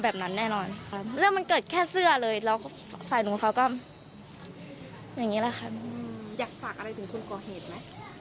แบบนั้นแน่นอนครับเรื่องมันเกิดแค่เสื้อเลยแล้วฝ่ายนู้นเขาก็อย่างนี้แหละค่ะอยากฝากอะไรถึงคนก่อเหตุไหม